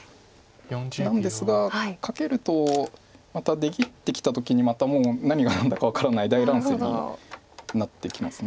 なんですがカケるとまた出切ってきた時にまたもう何が何だか分からない大乱戦になってきます。